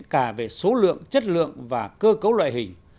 cả về số lượng chất lượng và cơ cấu loại hình